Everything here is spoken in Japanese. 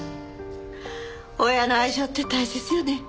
親の愛情って大切よね。